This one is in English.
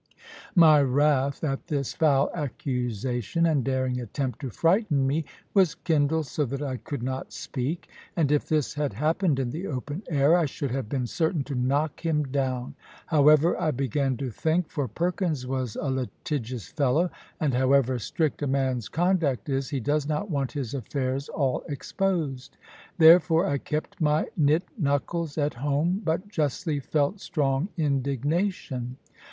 My wrath at this foul accusation, and daring attempt to frighten me, was kindled so that I could not speak; and if this had happened in the open air, I should have been certain to knock him down. However, I began to think, for Perkins was a litigious fellow; and however strict a man's conduct is, he does not want his affairs all exposed. Therefore I kept my knit knuckles at home, but justly felt strong indignation.